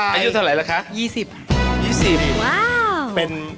อายุเท่าไหร่เหรอคะ